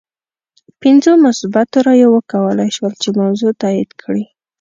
پنځو مثبتو رایو وکولای شول چې موضوع تایید کړي.